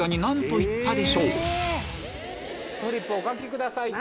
フリップお書きください。